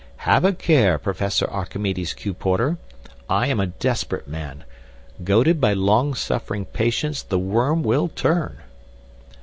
Have a care, Professor Archimedes Q. Porter! I am a desperate man. Goaded by long suffering patience the worm will turn."